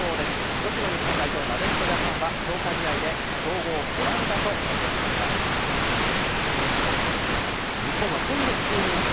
女子の日本代表、なでしこジャパンは、強化試合で強豪オランダと対戦しました。